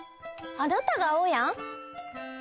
あなたがあおやん？